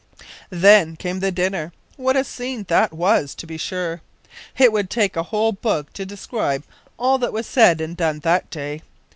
Then came the dinner. What a scene that was, to be sure! It would take a whole book to describe all that was said and done that day.